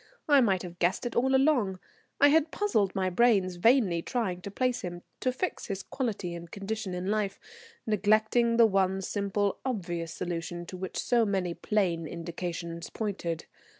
I might have guessed it all along. I had puzzled my brains vainly trying to place him, to fix his quality and condition in life, neglecting the one simple obvious solution to which so many plain indications pointed.